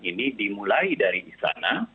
ini dimulai dari sana